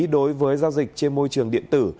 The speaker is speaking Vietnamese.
đối với giao dịch trên môi trường điện tử